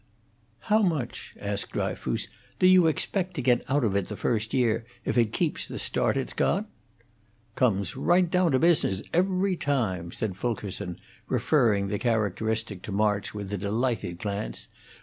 "How much," asked Dryfoos, "do you expect to get out of it the first year, if it keeps the start it's got?" "Comes right down to business, every time!" said Fulkerson, referring the characteristic to March with a delighted glance.